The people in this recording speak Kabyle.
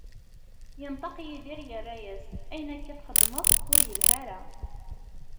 Inṭeq Yidir, irra-as: Ayen akka i txeddmeḍ, ur ilhi ara.